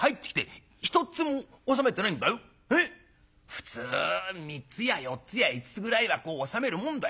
普通３つや４つや５つぐらいはこう納めるもんだよ。